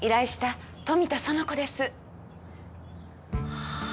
はあ！